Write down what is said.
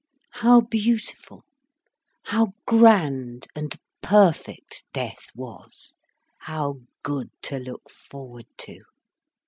How beautiful, how grand and perfect death was, how good to look forward to.